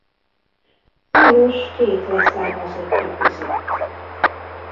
Lajos két leszármazottja között.